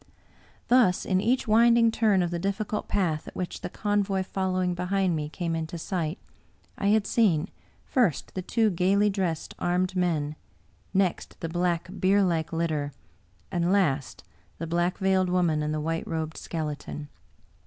Thus, in each winding turn of the difficult path at which the convoy fol lowing behind me came into sight, I had seen, first, the two gayly dressed, armed men, next the black, bierlike litter, and last the Black veiled Woman and the White robed Skeleton.